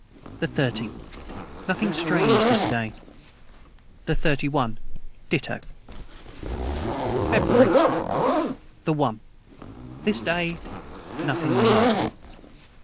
the 30. Nothing strange this day. the 31. Ditto. FEBRUARY. the 1. This day nothing remarkable.